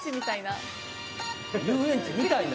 遊園地みたいな？